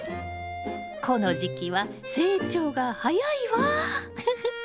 この時期は成長が早いわふふっ。